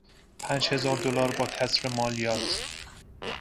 پنج هزار دلار با کسر مالیات